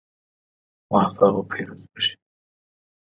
So far this program has operated primarily in South America and Oceana.